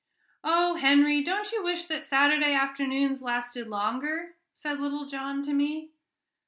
"Oh, Henry, don't you wish that Saturday afternoons lasted longer?" said little John to me.